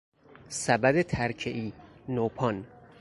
سبد ترکهای، نوپان